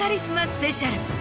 スペシャル